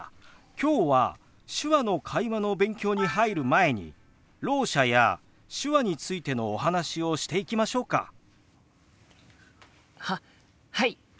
今日は手話の会話の勉強に入る前にろう者や手話についてのお話をしていきましょうか。ははい！